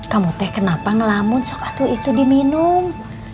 kamu teh kenapa ngelamun sok atu itu diminum